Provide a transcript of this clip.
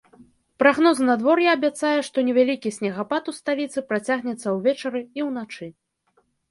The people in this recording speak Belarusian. Прагноз надвор'я абяцае, што невялікі снегапад у сталіцы працягнецца ўвечары і ўначы.